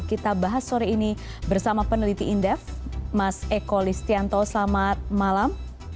kita bahas sore ini bersama peneliti indef mas eko listianto selamat malam